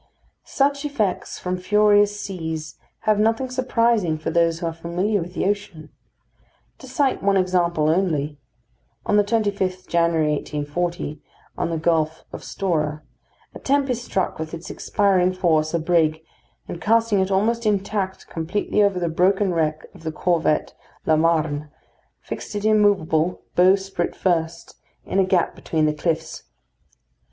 Such effects from furious seas have nothing surprising for those who are familiar with the ocean. To cite one example only: On the 25th January 1840, in the Gulf of Stora, a tempest struck with its expiring force a brig, and casting it almost intact completely over the broken wreck of the corvette La Marne, fixed it immovable, bowsprit first, in a gap between the cliffs.